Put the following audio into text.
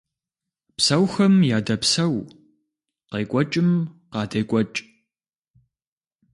Псэухэм ядэпсэу, къекӀуэкӀым къадекӀуэкӀ.